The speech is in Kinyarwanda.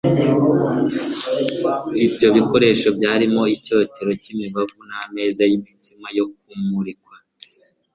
ibyo bikoresho byarimo icyotero cy'imibavu n ameza y'imitsima yo kumurikwa